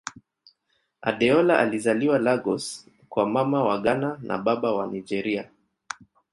Adeola alizaliwa Lagos kwa Mama wa Ghana na Baba wa Nigeria.